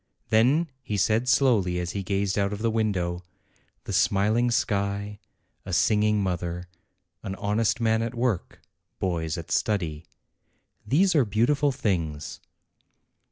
Then he said, slowly, as he gazed out of the window: "The smiling sky, a singing mother, an honest man at work, boys at study, these are beautiful things."